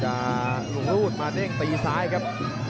จะลุงรูดมาเด้งตีซ้ายครับ